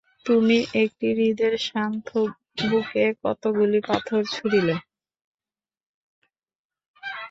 তুমি একটি হ্রদের শান্ত বুকে কতকগুলি পাথর ছুঁড়িলে।